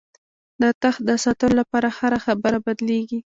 د تخت د ساتلو لپاره هره خبره بدلېږي.